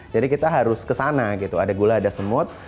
jadi kita harus ke sana ada gula ada semut